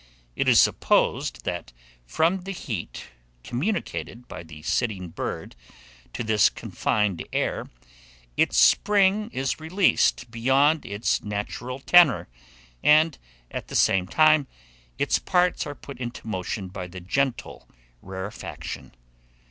It is supposed that from the heat communicated by the sitting bird to this confined air, its spring is increased beyond its natural tenor, and, at the same time, its parts are put into motion by the gentle rarefaction.